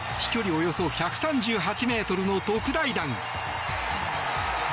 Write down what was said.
およそ１３８ｍの特大弾。